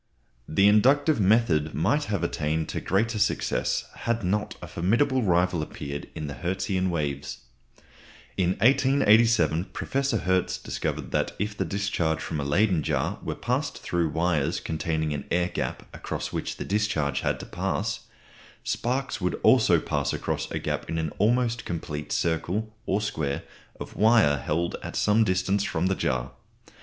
The inductive method might have attained to greater successes had not a formidable rival appeared in the Hertzian waves. In 1887 Professor Hertz discovered that if the discharge from a Leyden jar were passed through wires containing an air gap across which the discharge had to pass, sparks would also pass across a gap in an almost complete circle or square of wire held at some distance from the jar.